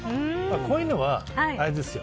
こういうのはあれですよ。